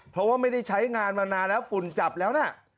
เพราะว่าไม่ได้ใช้งานมานานแล้วฝุ่นจับแล้วนะ